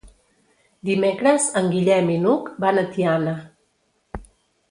Dimecres en Guillem i n'Hug van a Tiana.